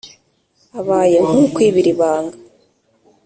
Abaye nk ukwibira ibanga.